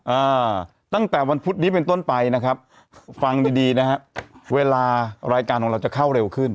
อ่าตั้งแต่วันพุธนี้เป็นต้นไปนะครับฟังดีดีนะฮะเวลารายการของเราจะเข้าเร็วขึ้น